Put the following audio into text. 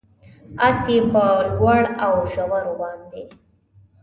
اس یې په لوړو اوژورو باندې،